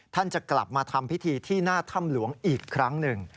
จะกลับมาทำพิธีที่หน้าถ้ำหลวงอีกครั้งหนึ่ง